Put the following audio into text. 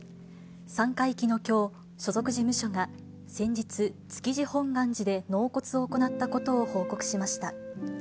三回忌のきょう、所属事務所が先日、築地本願寺で納骨を行ったことを報告しました。